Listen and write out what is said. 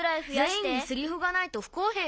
「ぜんいんにセリフがないとふこうへいだ」。